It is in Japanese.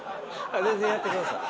全然やってください。